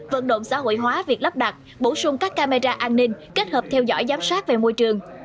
vận động xã hội hóa việc lắp đặt bổ sung các camera an ninh kết hợp theo dõi giám sát về môi trường